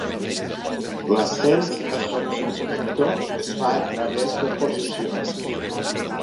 L'ascens a sotsinspector es fa a través d'oposicions.